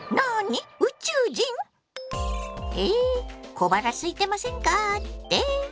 小腹すいてませんかって？